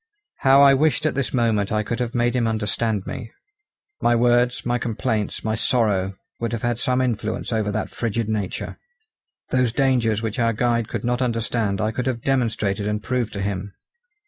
How I wished at this moment I could have made him understand me. My words, my complaints, my sorrow would have had some influence over that frigid nature. Those dangers which our guide could not understand I could have demonstrated and proved to him.